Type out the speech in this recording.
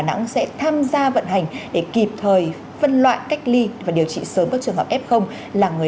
đà nẵng sẽ tham gia vận hành để kịp thời phân loại cách ly và điều trị sớm các trường hợp f là người